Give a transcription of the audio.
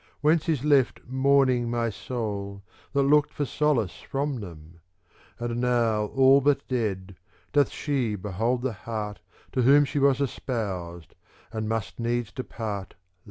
Whence is left mourning my soul that looked for solace from them : and now all but dead doth she^ behold the heart to whom she was espoused, and must needs depart love smitten.